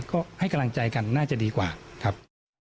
ก็ให้กำลังใจกันน่าจะดีกว่าครับ